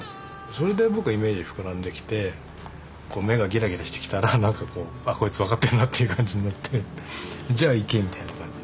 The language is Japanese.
それで僕はイメージ膨らんできて目がギラギラしてきたらなんかこう「こいつ分かってんな」っていう感じになって「じゃあいけ」みたいな感じ。